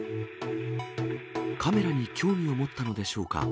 カメラに興味を持ったのでしょうか。